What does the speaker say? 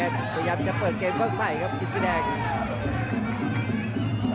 พยายามจะเปิดเกมเข้าใส่ครับอินสีแดง